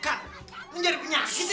kak mencari penyakit ya